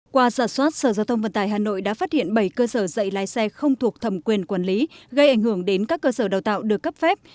qua giả soát sở giao thông vận tải hà nội đã phát hiện bảy cơ sở dạy lái xe không thuộc thầm quyền quản lý gây ảnh hưởng đến các cơ sở đào tạo được cấp phép